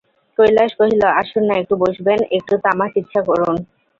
কৈলাস কহিল, আসুন-না একটু বসবেন, একটু তামাক ইচ্ছা করুন।